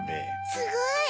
すごい！